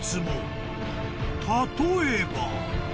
［例えば］